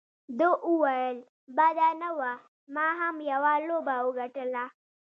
ده وویل: بده نه وه، ما هم یوه لوبه وګټله.